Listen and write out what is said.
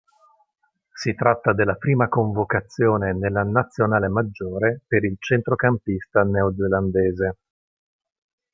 Si tratta della prima convocazione nella Nazionale maggiore per il centrocampista neozelandese.